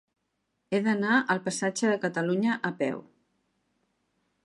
He d'anar al passatge de Catalunya a peu.